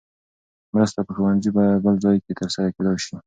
مرسته په ښوونځي یا بل ځای کې ترسره کېدای شي.